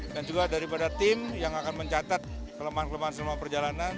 dan juga daripada tim yang akan mencatat kelemahan kelemahan selama perjalanan